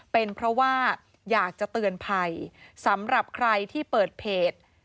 เป็นเพราะว่าอยากจะเตือนภัยสำหรับใครที่เปิดเพจ